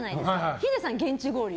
ヒデさん、現地合流。